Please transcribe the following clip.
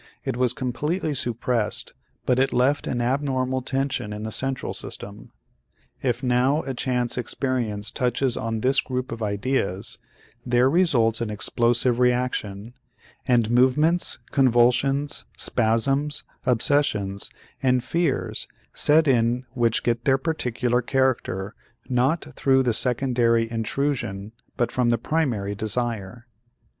It was completely suppressed but it left an abnormal tension in the central system. If now a chance experience touches on this group of ideas, there results an explosive reaction; and movements, convulsions, spasms, obsessions, and fears set in which get their particular character not through the secondary intrusion but from the primary desire.